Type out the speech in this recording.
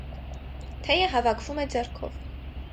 Թեյը հավաքվում է ձեռքով։